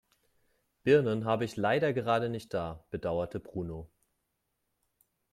"Birnen habe ich leider gerade nicht da", bedauerte Bruno.